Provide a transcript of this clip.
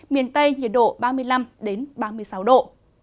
miền tây nhiệt độ ba mươi năm ba mươi sáu độ